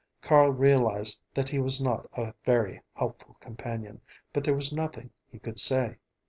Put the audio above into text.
Carl realized that he was not a very helpful companion, but there was nothing he could say.